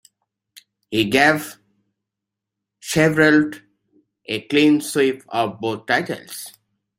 This gave Chevrolet a clean sweep of both titles.